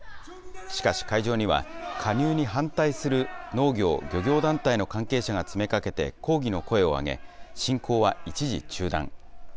しかし、会場には加入に反対する農業・漁業団体の関係者が詰めかけて抗議の声を上げ、進行は一時中断。